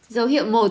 dấu hiệu một